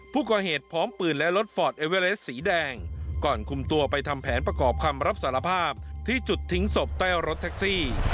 พร้อมปืนและรถฟอร์ดเอเวอเลสสีแดงก่อนคุมตัวไปทำแผนประกอบคำรับสารภาพที่จุดทิ้งศพใต้รถแท็กซี่